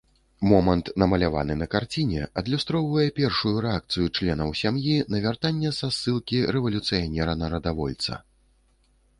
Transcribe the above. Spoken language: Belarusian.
Момант, намаляваны на карціне, адлюстроўвае першую рэакцыю членаў сям'і на вяртанне са ссылкі рэвалюцыянера-нарадавольца.